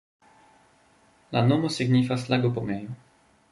La nomo signifas lago-pomejo.